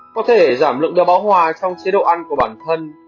có thể giảm lượng đeo bão hòa trong chế độ ăn của bản thân